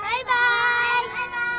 バイバイ。